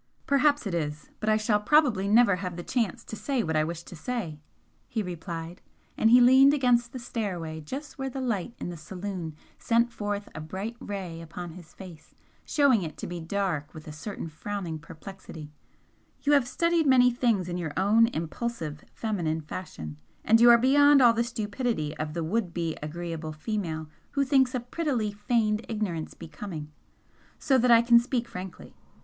"Perhaps it is but I shall probably never have the chance to say what I wish to say," he replied, and he leaned against the stairway just where the light in the saloon sent forth a bright ray upon his face, showing it to be dark with a certain frowning perplexity "You have studied many things in your own impulsive feminine fashion, and you are beyond all the stupidity of the would be agreeable female who thinks a prettily feigned ignorance becoming, so that I can speak frankly.